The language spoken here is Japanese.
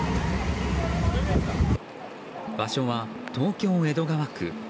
場所は、東京・江戸川区。